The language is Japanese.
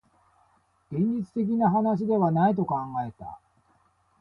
現実的な話ではないと考えた